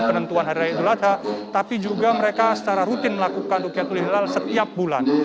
penentuan hari raya idul adha tapi juga mereka secara rutin melakukan rukiatul hilal setiap bulan